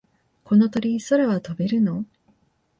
この鳥、空は飛べるの？